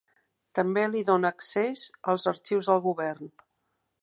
També li donà accés als arxius del govern.